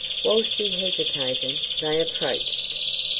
While she hesitated, they approached.